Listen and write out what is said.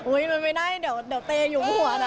อุ้ยมันไม่ได้เดี๋ยวเตยุงหัวนะ